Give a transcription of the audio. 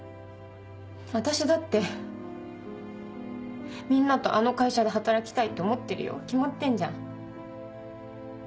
私だってみんなとあの会社で働きたいって思ってるよ決まってんじゃん。